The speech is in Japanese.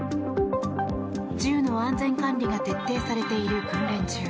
銃の安全管理が徹底されている訓練中。